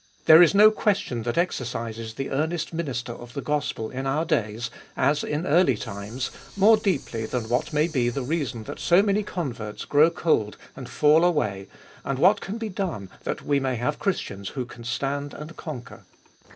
There is no question that exercises the earnest minister of the gospel in our days, as in early times, more deeply than what may be the reason that so many converts grow cold and fall away, and what can be done that we may have Christians who can stand and conquer.